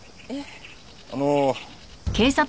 あの。